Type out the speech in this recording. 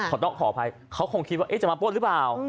เขาต้องขออภัยเขาคงคิดว่าจะมาป้นหรือเปล่า